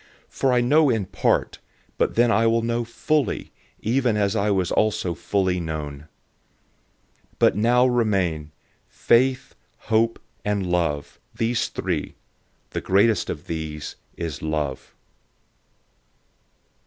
Now I know in part, but then I will know fully, even as I was also fully known. 013:013 But now faith, hope, and love remain these three. The greatest of these is love.